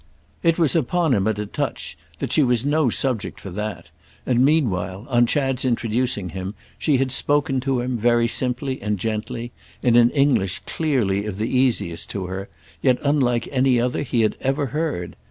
It was upon him at a touch that she was no subject for that, and meanwhile, on Chad's introducing him, she had spoken to him, very simply and gently, in an English clearly of the easiest to her, yet unlike any other he had ever heard.